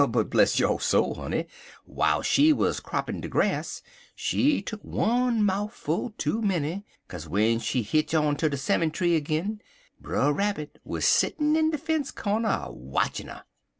But, bless yo' soul, honey, w'ile she wuz croppin' de grass she tuck one mou'ful too menny, kaze w'en she hitch on ter de 'simmon tree agin, Brer Rabbit wuz settin' in de fence cornder a watchin' un 'er.